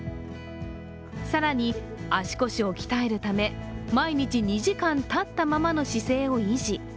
更に足腰を鍛えるため、毎日２時間立ったままの姿勢を維持。